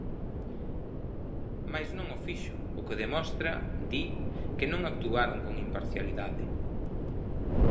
Mais non o fixo, o que demostra, di, que non actuaron con imparcialidade.